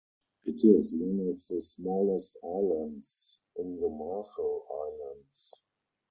It is one of the smallest islands in the Marshall Islands.